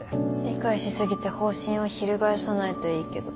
理解しすぎて方針を翻さないといいけど。